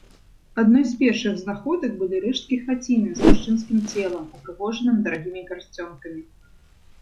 Адной з першых знаходак былі рэшткі хаціны з мужчынскім целам, упрыгожаным дарагімі пярсцёнкамі.